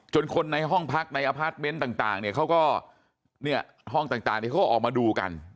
คนในห้องพักในอพาร์ทเมนต์ต่างเนี่ยเขาก็เนี่ยห้องต่างเขาก็ออกมาดูกัน